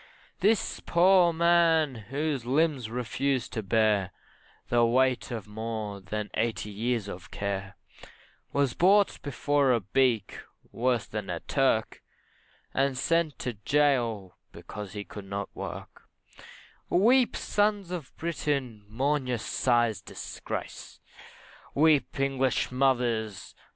This poor old man, whose limbs refused to bear The weight of more than eighty years of care, Was brought before a beak, worse than a Turk, And sent to gaol because he could not work, Weep, sons of Britain, mourn your sires' disgrace! Weep, English mothers!